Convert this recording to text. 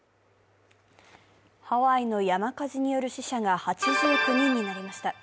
ハワイの山火事による死者が８９人になりました。